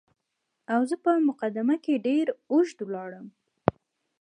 او زه په مقدمه کې ډېر اوږد ولاړم.